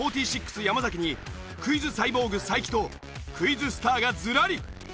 山崎にクイズサイボーグ才木とクイズスターがずらり！